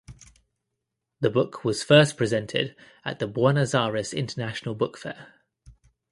The book was first presented at the Buenos Aires International Book Fair.